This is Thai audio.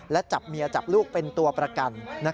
และจับเมียจับลูกเป็นตัวประกัน